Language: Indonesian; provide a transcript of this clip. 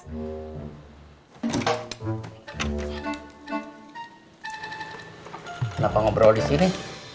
kenapa ngobrol di sini